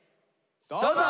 どうぞ！